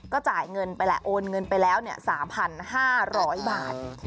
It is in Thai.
ก็จ่ายเงินไปแหละโอนเงินไปแล้ว๓๕๐๐บาท